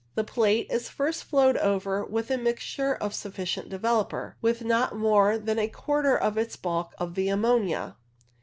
The plate is first flowed over with a mixture of sufficient developer, with not more than a quarter of its bulk of the ammonia.